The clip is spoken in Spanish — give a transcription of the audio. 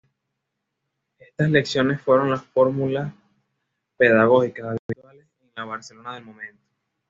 Estas lecciones fueron las fórmulas pedagógicas habituales en la Barcelona del momento.